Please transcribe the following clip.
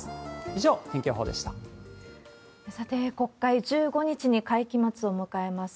以さて、国会、１５日に会期末を迎えます。